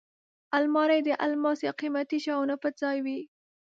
الماري د الماس یا قېمتي شیانو پټ ځای وي